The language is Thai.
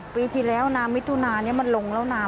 ปีที่แล้วน้ำมิถุนานี้มันลงแล้วน้ำ